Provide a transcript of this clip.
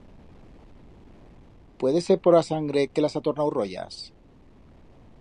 Puede ser por a sangre, que las ha tornau royas?